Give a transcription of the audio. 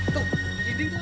tunggu di dinding tuh